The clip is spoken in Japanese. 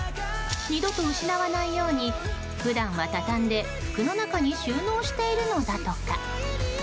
二度と失わないように普段は畳んで服の中に収納しているのだとか。